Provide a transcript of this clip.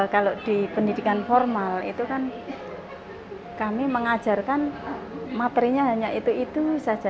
kalau di pendidikan formal itu kan kami mengajarkan maprinya hanya itu itu saja